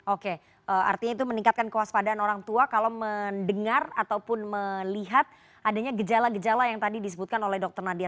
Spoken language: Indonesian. oke artinya itu meningkatkan kewaspadaan orang tua kalau mendengar ataupun melihat adanya gejala gejala yang tadi disebutkan oleh dr nadia